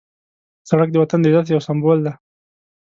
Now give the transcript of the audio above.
سړک د وطن د عزت یو سمبول دی.